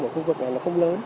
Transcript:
của khu vực này đã bị phá hủy